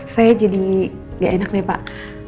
saya jadi gak enak nih pak